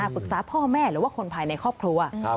ปรึกษาพ่อแม่หรือว่าคนภายในครอบครัว